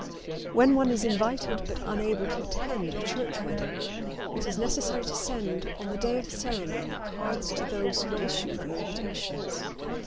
When one is invited but unable to attend a church wedding it is necessary to send, on the day of the ceremony, cards to those who issue the invitations.